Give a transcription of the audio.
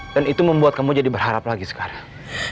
dan itu membuat kamu jadi berharap lagi sekarang